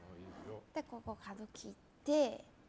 ここで切って。